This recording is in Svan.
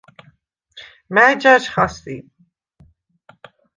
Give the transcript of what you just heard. მა̈ჲ ჯაჟხა სი?